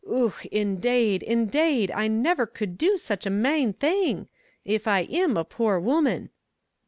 Och, indade, indade I nivir cud do sich a mane thing, if I im a poor woman."